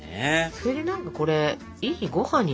それで何かこれいいご飯になるな。